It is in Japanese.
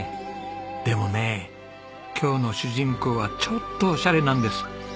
でもね今日の主人公はちょっとオシャレなんです。